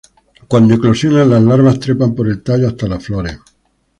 Cuando eclosionan, las larvas trepan por el tallo hasta las flores.